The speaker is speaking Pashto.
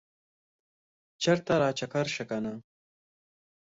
چرته راچکر شه کنه